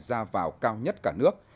ra vào cao nhất cả nước